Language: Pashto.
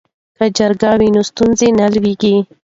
که جرګه وي نو ستونزه نه لویږي.